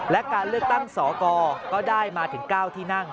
และการเลือกตั้งสกก็ได้มาถึง๙ที่นั่ง